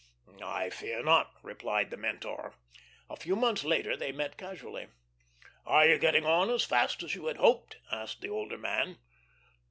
"I fear not," replied the mentor. A few months later they met casually. "Are you getting on as fast as you had hoped?" asked the older man.